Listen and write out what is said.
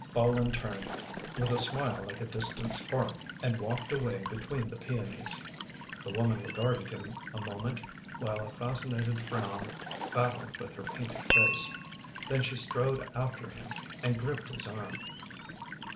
Bolin turned, with a smile like a distant spark, and walked away between the peonies. The woman regarded him a moment, while a fascinated frown battled with her painted face. Then she strode after him and gripped his arm.